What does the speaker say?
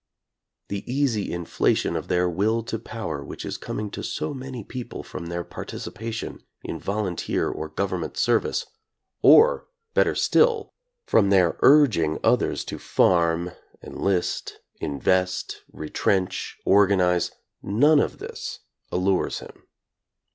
The easy inflation of their will to power which is coming to so many people from their participation in volunteer or govern ment service, or, better still, from their urging others to farm, enlist, invest, retrench, organize, — none of this allures him.